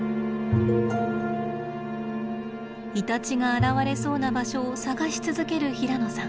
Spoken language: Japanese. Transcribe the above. イタチが現れそうな場所を捜し続ける平野さん。